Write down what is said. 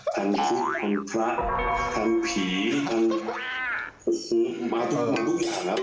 ทางพระทางผีมาทุกอย่างครับ